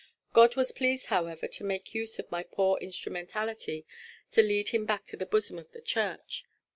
God was pleased, however, to make use of my poor instrumentality to lead him back to the bosom of the Church.